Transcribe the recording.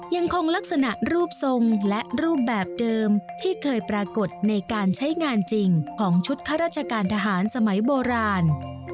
ยังคงลักษณะรูปทรงและรูปแบบเดิมที่เคยปรากฏในการใช้งานจริงของชุดข้าราชการทหารสมัยโบราณ